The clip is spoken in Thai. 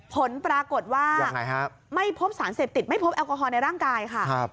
ผลปรากฏว่าไม่พบสารเสพติดไม่พบแอลกอฮอลในร่างกายค่ะ